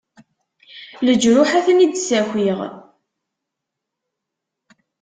Leǧruḥ ad-ten-id-sakiɣ.